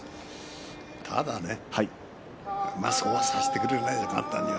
ただそうさせてくれないよ簡単には。